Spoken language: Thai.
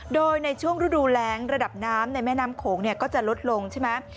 โดยในช่วงฤดูแรงระดับน้ำในแม่น้ำโขงก็จะลดลงใช่ไหม